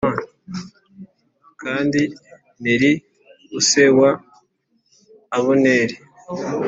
kandi Neri u se wa Abuneri